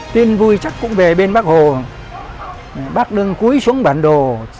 tiên vui chắc cũng về bên bác hồ bác đứng cúi xuống bản đồ